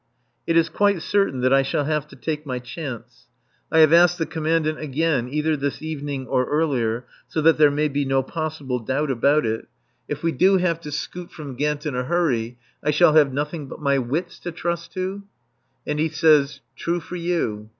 It is quite certain that I shall have to take my chance. I have asked the Commandant again (either this evening or earlier) so that there may be no possible doubt about it: "If we do have to scoot from Ghent in a hurry I shall have nothing but my wits to trust to?" And he says, "True for you."